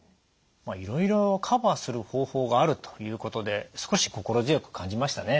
いろいろカバーする方法があるということで少し心強く感じましたね。